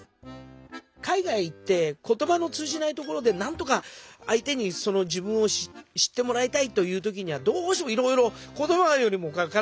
海外行って言葉の通じないところでなんとかあい手に自分を知ってもらいたいという時にはどうしてもいろいろ言葉よりも体が出るという。